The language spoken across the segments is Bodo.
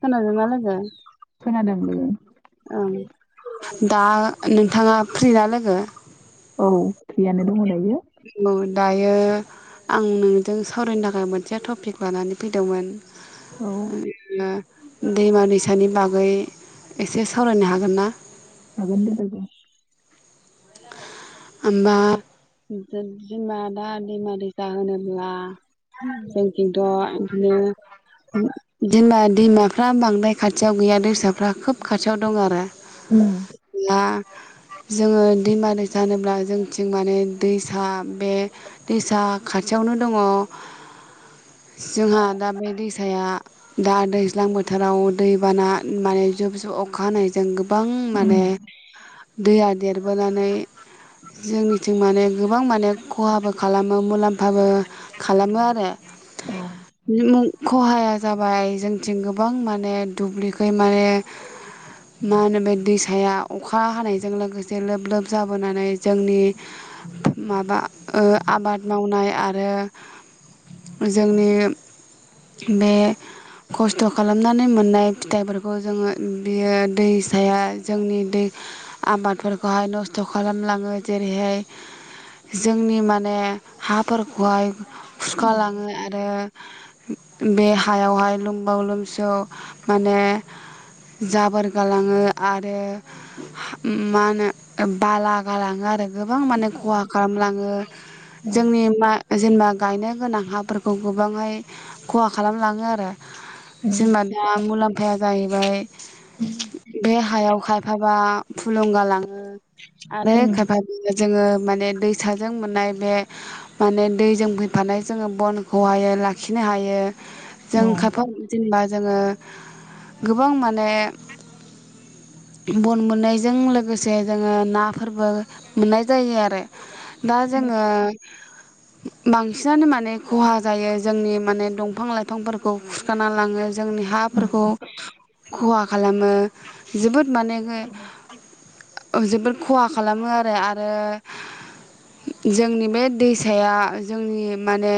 खोनादोंना लोगो? खोनादों लोगो ओं दा नोंथाङा फ्रि ना लोगो? औ फ्रियानो दङ दायो। औ दायो आं नोंजों सावरायनो थाखाय मोनसे टपिक लानानै फैदोंमोन। औ [unintelligible] दैमानि दैसानि बागै एसे सावरायनो हागोन ना? हागोन दे लोगो होमबा जेनेबा दा दैमा दैसा होनोब्ला उम जों खिन्थ' बिदिनो दिमा-दैमाफ्रा बांद्राय खाथियाव गैया दैसाफ्रा खोब खाथियाव दं आरो उम दा जोङो दैमा दैसा अब्ला जोंथिं माने दैसा बे दैसा खाथियावनो दङ जोंहा दा बे दैसाया दा दैज्लां बोथोराव दैबाना माने जुब जुब अखा हानायजों गोबां माने दैया देरबोनानै जोंनिथिं माने गोबां माने खहाबो खालामो मुलाम्फाबो खालामो आरो औ मुं-खहाया जाबाय जोंनिथिं गोबां माने दुब्लिखै माने मा होनो बे दैसाया अखा हानायजों लोगोसे लोब लोब जाबोनानै जोंनि माबा ओ आबाद मावनाय आरो जोंनि बे खस्थ' खालामनानै मोननाय फिथाइफोरखौ जोङो बियो दैसाया जोंनि दै आबादफोरखौ खहा खालामलाङो जेरैहाय जोंनि माने हाफोरखौहाय उम खुरखालाङो आरो बे हायावहाय लोमबाव लोमसौ माने जाबोर गालाङो आरो मा होनो बाला गालाङो आरो गोबां माने खहा खालामलाङो औ जोंनि मा जेनेबा गायनो गोनां हाफोरखौ गोबांहाय खहा खालामलाङो आरो। उम जेनेबा दा मुलाम्फाया जायो ओमफ्राय बे हायाव खायफाबा फुलुं गालाङो। आरो खायफा जोङो माने दैसाजों मोननाय बे माने दैजों फैफानाय जोङो बनखौहाय लाखिनो हायो। जों औ खाफाव जेनेबा जोङो गोबां माने बन मोननायजों लोगोसे जोङो नाफोरबो मोननाय जायो आरो दा उम जोङो बांसिनानो माने खहा जायो जोंनि माने दंफां लाइफांफोरखौ खुरखाना लाङो जोंनि हाफोरखौ खहा खालामो जोबोद माने जोबोद खहा खालामो आरो आरो जोंनि बे दैसाया जोंनि माने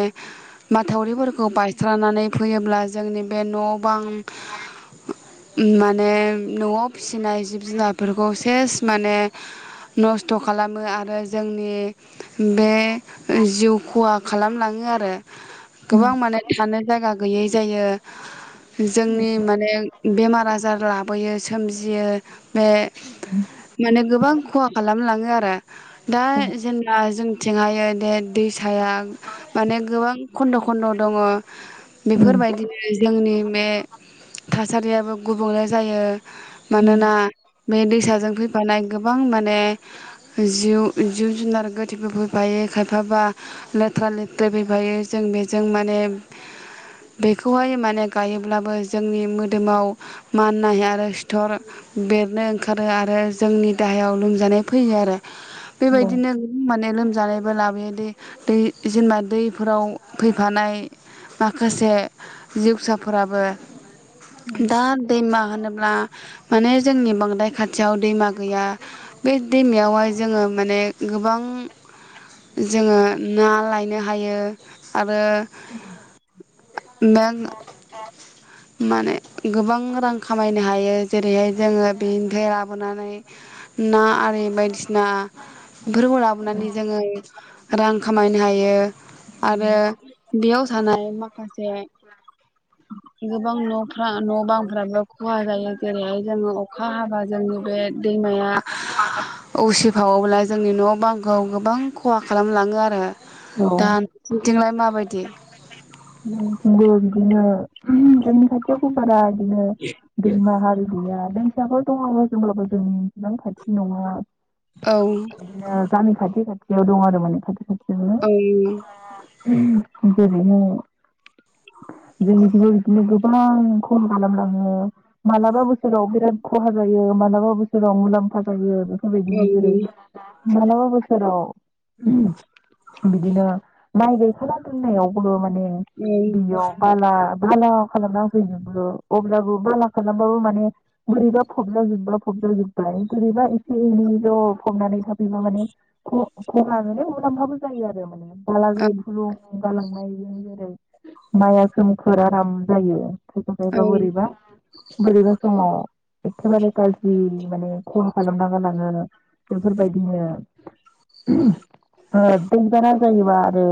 माथावरिफोरखौ बायस्रानानै फैयोब्ला जोंनि बे न' बां माने न'आव फिसिनाय जिब जुनारफोरखौ सेस माने नस्थ' खालामो आरो जोंनि बे जिउ खहा खालामलाङो आरो गोबां माने थानो जायगा गैयै जायो जोंनि माने बेमार आजार लाबोयो सोमजियो बे [inaudible] माने गोबां खहा खालामलाङो आरो। दा जेनब्ला जोंथिंहा दा दैसाया माने गोबां खन्द' खन्द' दङ। बेफोरबायदिनो जोंनि बे थासारिया। गुबुंले जायो। मानोना बे दैसाजों फै फानाय गोबां माने जिउ जिब जुनार गोथैबो फैफायो खायफाबा लेथ्रा लेथ्रा फैफायो जों बेजों माने बेखौहाय माने गायोब्लाबो जोंनि मोदोमाव माननाय आरो सिथर बेरनो ओंखारो आरो जोंनि देहायाव लोमजानाय फैयो आरो। औ बेबायदिनो माने लोम जानायबो लाबोयो दै दै जेनेबा दैफोराव फैफानाय माखासे जिउसाफोराबो दा दैमा होनोब्ला माने जोंनि बांद्राय खाथियाव दैमा गैया बे दैमायावहाय जोङो माने गोबां जोङो ना लायनो हायो आरो बेंक माने गोबां रां खामायनो हायो जेरैहाय जोङो बेनिफ्राय लाबोनानै ना आरि बायदिसिना बेफोरखौ लाबोनानै जोङो रां खामायनो हायो। आरो बेयाव थानाय माखासे गोबां न'फ्रा न' बांफ्राबो खहा जायो जेरैहाय जोङो अखा हाबा जोंनि बे दैमाया उसिफावोब्ला जोंनि न' बांखौ गोबां खहा खालामलाङो आरो औ [unintelligible] माबायदि [unintelligible] [unintelligible] गैया दैंसाफोर दङबो जोंब्लाबो जोंनि इसेबां खाथि नङा। औ गामि खाथि खाथि दङ आरो माने खाथि ओं [unintelligible] [inaudible] जोंनिथिबो बिदिनो गोबां खहा खालामलाङो, मालाबा बोसोराव बिराद खहा जायो मालाबा बोसोराव मुलाम्फा जायो। बेबायदिनो जेरै सोराव [inaudible] बिदिनो माइ गायखाना दोननायावबो माने बियाव बाला बाला खालामना फैजोबो अब्लाबो बाला खालामबाबो माने बोरैबा फबला जोबबा फबजाजोबबाय बोरैबा एसे एनै ज' फबनानै थाफैबा माने ख-खहा माने मुलाम्फाबो जायो आरो माने। बाला औ जों फुलं जालांनायजों जेरै माइआ सोमखोर आराम जायो। [inaudible] औ गायबा बोरैबा बोरैबा समाव एखेबारे गाज्रि माने खहा खालामना गालाङो आरो बेफोरबायदिनो ओ [unintelligible] जायोबा आरो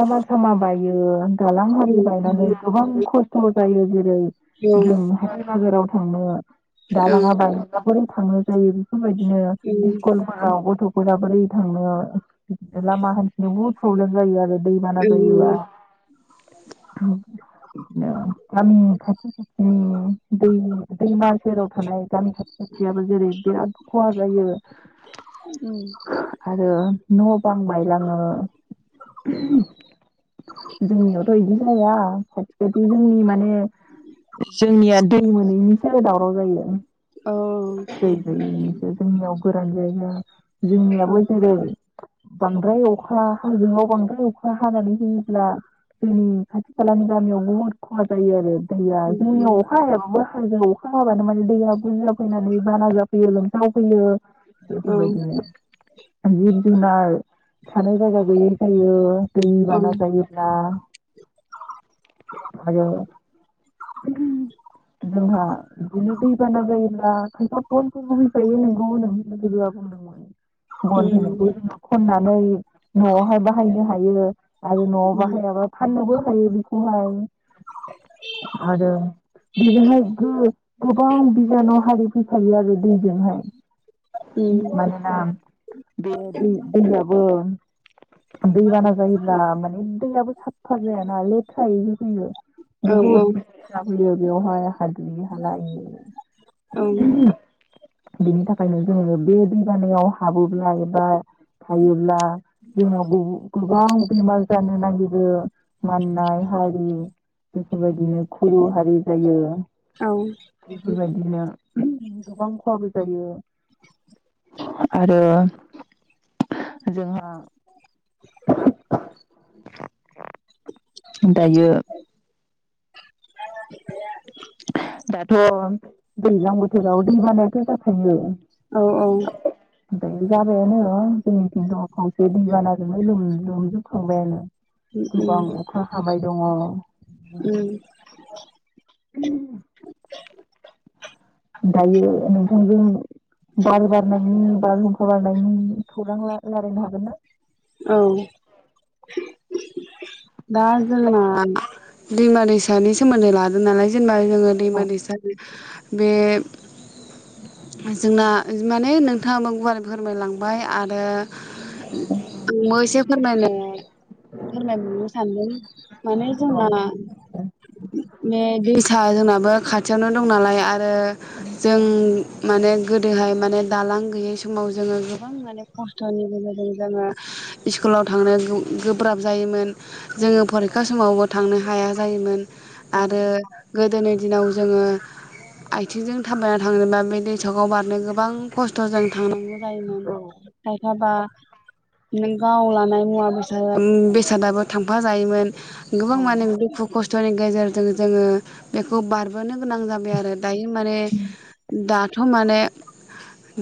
हाबाब समा बायो दालां औ आरि बायनानै औ गोबां खस थ' जायोे जेरै जों हाय बाजाराव थाङो दालाङा बायोबा बोरै थांनाय जायो बेफोरबायदिनो स्कुलफोराव गथ' फोरा बोरै थांनो लामा हान्थिनो बहुद प्रब्लेम जायो आरो दै जायोबा [unintelligible] गामि खाथि खाथिनि दैनि दैमा सेराव थानाय गामि खाथि खाथियाबो जेरै बिराद खहा जायो उम आरो न' बां बायलाङो। जोंनियावथ' बिदि जाया खाथि खाथि जोंनि माने जोंनिया दै मोनैनिसो दावराव जायो। [inaudible] दैै गोयैनिसो जोनिआव गाय जायो। जोंनियाबो जेरै बांद्राय अखा हायजोङाव बांद्राय अखा हानानै होयोब्ला जोंनि खाथि खालानि गामियाव बुहुद खहा जायो आरो। दैया जोंनि अखायाबाबो जों अखा हाबानो माने दैया बुरजा फैनानै बाना जाफैयो लोमसावफैयो बेफोरबायदिनो [unintelligible] जुनार थानाय जायगा गैयै जायो दै बाना जायोब्ला आरो जोंहा इदिनो दै बाना जायोब्ला आ खनफा फन [unintelligible] [unintelligible] खननानै न'आवहाय बाहायनो हायो बियो आरो न'आव बाहायाबा फाननोबो थायो बेखौहाय आरो बेजोंहाय गोबां बिनाव हारि फैफायो आरो दै जोंहाय मानोना बे दै दैयाबबो दै बाना जायोब्ला माने दैयाबो साफा जायाना लेथ्राै होयो बुहुद लेथ जाबयो बेवहाय हाद्रि हाला बेनि थाखायनो जोङो बे दैबानायाव हाबोब्ला एबा थायोब्ला जोंनाव गोबां बेमार जानो नागिरो माननाय हारि बेफोरबायदि बिदिनो खर' हारि जायो थि बेबायदिनो गोबां खहाबो जायो आरो जोंहा [inaudible] दायो औ दाथ' दैज्लां बोथोराव दै बानायाथ' जाखायो औ औ ओमफ्राय जाबायानो जोंनि थिंथ खावसे दै बानाजोंनो ल लोमजोबखांबायानो गोबां अखा हाबाय दङ उम दायो नोंथांजों बार बार नायनि बारहुंखा हगारनायनि खौरां रायलायनो हागोन ना औ दा जोंना दैमा दैसा सानि सोमोन्दै लादों नालाय जेनेबा जोङो औ दैमा दैसा बे जोंना माने नोंथाङाबो गुवारै फोरमायलांबाय आरो ओंबो एसे फोरमाय फोरमाय मोननो सानदों माने जोंना बे सा जोंनाबो खाथियावनो दं नालाय आ आरो जों माने गोदोहाय माने दालां गैयै समाव जोङो गोबां माने खस्थ'नि गेजेरजों जोङो सस्कुलाव थांनो गोब्राब जायोमोन जोङो फरिखा समावबो थांनो हाया जायोमोन आरो गोदोनि दिनाव जोङो आथिंजों थाबायना थांनोबा बे दैसाखौ बारनो गोबां खस्थ'जों थां जायोमोन खायफाबा नों गाव लानाय मुवा बेसाद बेसादाबो थांफ जायोमोन गोबां माने दुखु खस्थ' गेजेरजों जोङो बेखौ बारबोदों गोनां जाबाय आरो दायो माने दा। थ' माने।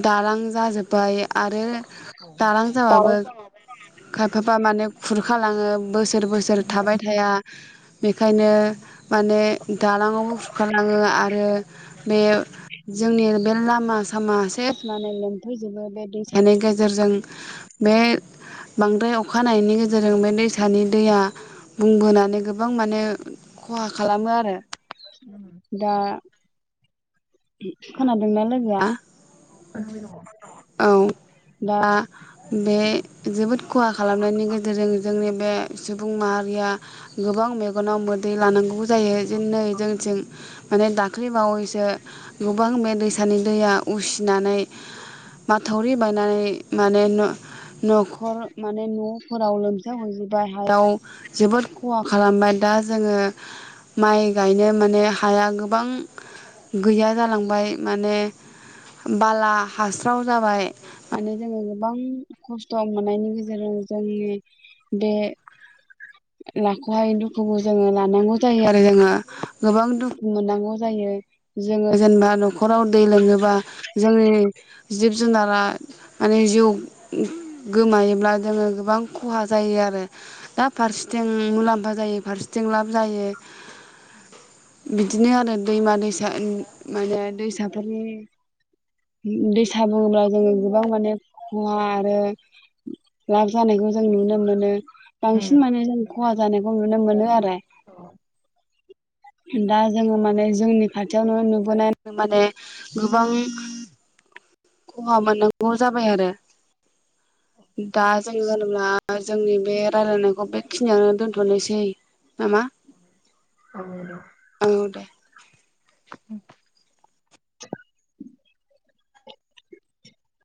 दालां जाजोब्बाय आरो दालां जाबाबो खायफाबा माने खुरखालाङो। बोसोर बोसोर थाबाय थाया बेखायनो माने दालाङावबो खुरखालाङो आरो बे जोंनि ओन बे लामा सामा से माने लोमफैजोबो बे दैसानि गेजेरजों बे बांद्राय अखानायनि गेजेरजों बे दैसानि दैया बुंबोनानै गोबां माने खहा खालामो आरो दा। खोना दोंना लोगोआ? खोनाबाय दं। औ दा बे। जोबोद खहा खालामनायनि गेजेरजों। जोंनि बे सुबुं माहारिया गोबां मेगनाव मोदै लानांगौबो जायो जो नै जोंथिं माने दाख्लै बावैसो गोबां मे दैसा। सानि दैया उसिनानै। माथावरि बायनानै माने न न'खर माने न'फोराव लोमजाहैजोबबाय हायाव जोबोद खहा खालामबाय दा जोङो माइ गायनो माने हाया गोबां गैया जालांबाय। माने बाला हास्राव जाबाय माने जोङो गोबां खस्थ' मोननायनि गेजेरजों जोंनि बे लाखहायै दुखुखौ जोङो लानांगौ जायो आरो जोङो गोबां दुखु मोननांगौ जायो जोङो जेनबा खराव दै लोङोबा जोंनि जिब जुनारा माने जिउ गोमायोब्ला जोङो गोबां खहा जायो आरो। दा फारसेथिं मुलाम [unintelligible] जायो फारसेथिं लाब जायो। [unintelligible] बिदिनो आरो दैमा दैसा माने। दैसाफोरनि दैसा बुङोब्ला जोङो गोबां माने खहा आरो लाब जानायखौ जों नुनो मोनो। बांसिन माने जों खहा जानाय [unintelligible] नुनो मोनो आरो। [inaudible] दा जोङो माने जोंनि खाथियावनो नुबोनाय माने गोबां खहा मोननांगौ जाबाय आरो। दा जोङो। [unintelligible] जोंनि बे रायलायनायखौ बेखिनियावनो दोनथ'नोसै। नामा औ [unintelligible] दे [inaudible]